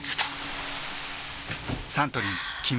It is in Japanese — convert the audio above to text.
サントリー「金麦」